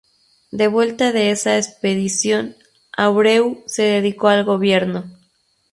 De vuelta de esa expedición, Abreu se dedicó al gobierno.